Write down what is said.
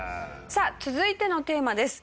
さあ続いてのテーマです。